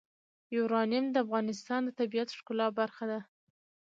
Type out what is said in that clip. یورانیم د افغانستان د طبیعت د ښکلا برخه ده.